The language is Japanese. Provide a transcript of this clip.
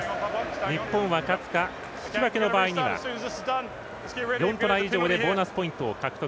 日本は勝つか引き分けの場合には４トライ以上でボーナスポイントを獲得。